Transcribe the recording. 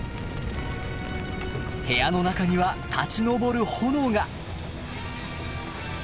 部屋の中には立ち上る炎が！